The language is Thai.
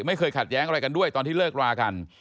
ไม่เคยขัดแย้งอะไรกันด้วยตอนที่เลิกรากัน